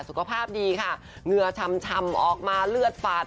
สุขภาพดีค่ะเงือชำออกมาเลือดฝาด